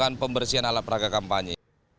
dan pembersihan alat peraga kampanye